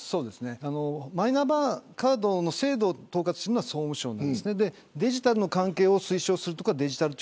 マイナンバーカードの制度を統括してるのは総務省デジタル関係を推奨するのはデジタル庁